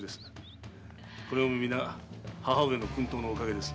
これもみな母上の薫陶のおかげです。